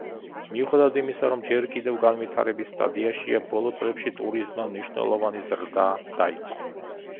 მიუხედავად იმისა, რომ ჯერ კიდევ განვითარების სტადიაშია, ბოლო წლებში ტურიზმმა მნიშვნელოვანი ზრდა დაიწყო.